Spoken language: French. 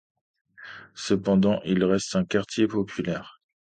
Cependant, il reste un quartier populaire.